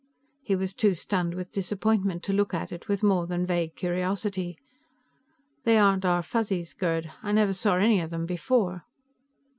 He was too stunned with disappointment to look at it with more than vague curiosity. "They aren't our Fuzzies, Gerd. I never saw any of them before."